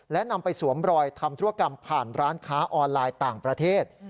และนำไปสวมรอยทำธุรกรรมผ่านร้านค้าออนไลน์ต่างประเทศ